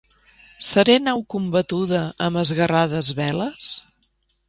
Seré nau combatuda amb esguerrades veles?